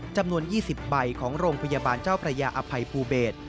จำนวน๒๐ใบของโรงพยาบาลเจ้าพระยาอภัยภูเบศ